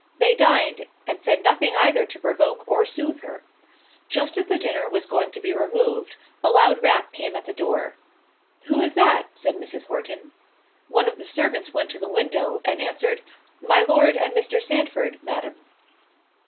They dined, and said nothing either to provoke or sooth her. Just as the dinner was going to be removed, a loud rap came at the door—"Who is that?" said Mrs. Horton. One of the servants went to the window, and answered, "My Lord and Mr. Sandford, Madam."